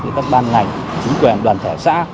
với các ban ngành chính quyền đoàn thể xã